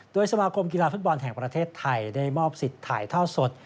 โดยสมาคมกีฬาฟุตบอลแห่งประเทศไทยได้มอบสิทธิ์ถ่ายทอดสด